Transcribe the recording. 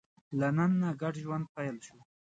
له نن نه ګډ ژوند پیل شو.